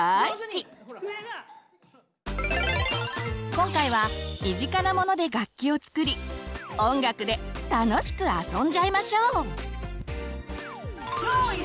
今回は身近なモノで楽器を作り音楽で楽しくあそんじゃいましょう！